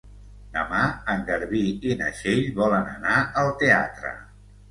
Demà en Garbí i na Txell volen anar al teatre.